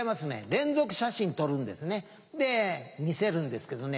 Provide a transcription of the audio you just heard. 連続写真撮るんですねで見せるんですけどね。